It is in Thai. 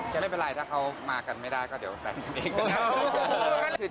ก็ไม่เป็นไรถ้าเขามากันไม่ได้ก็เดี๋ยวแฟนเองก็ได้